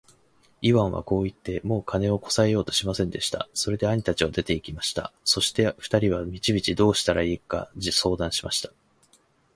イワンはこう言って、もう金をこさえようとはしませんでした。それで兄たちは出て行きました。そして二人は道々どうしたらいいか相談しました。